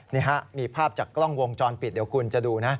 นี่ฮะมีภาพจากกล้องวงจรปิดเดี๋ยวคุณจะดูนะ